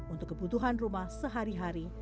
untuk kebutuhan rumah sehari hari